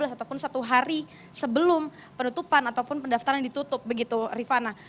ataupun satu hari sebelum penutupan ataupun pendaftaran ditutup begitu rifana